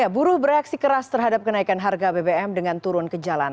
buruh bereaksi keras terhadap kenaikan harga bbm dengan turun ke jalan